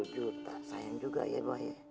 tujuh puluh juta sayang juga ya bahir